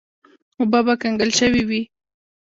اوبه به کنګل شوې وې.